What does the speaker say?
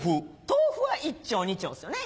豆腐は１丁２丁ですよね。